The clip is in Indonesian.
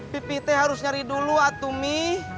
pipi teh harus nyari dulu atuh mi